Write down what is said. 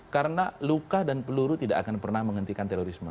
karena luka dan peluru tidak akan pernah menghentikan terorisme